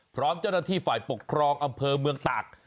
พร้อมเจ้าหน้าที่ฝ่ายปกครองอำเภอเมืองตาก